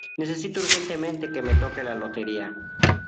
Necesito urgentemente que me toque la lotería.